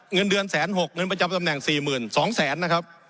เงินเดือนแสนหกเงินประจำตำแหน่งสี่หมื่นสองแสนนะครับ